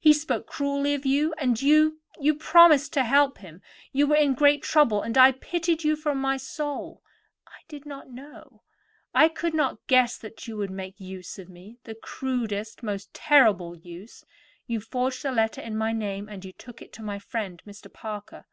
He spoke cruelly to you; and you—you promised to help him. You were in great trouble, and I pitied you from my very soul. I did not know; I could not guess that you would make use of me; the crudest, the most terrible use. You forged a letter in my name, and you took it to my friend, Mr. Parker."